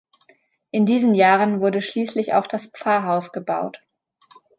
In diesen Jahren wurde schließlich auch das Pfarrhaus gebaut.